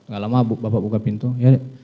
gak lama bapak buka pintu ya